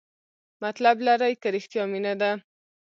مطلب لري که رښتیا مینه ده؟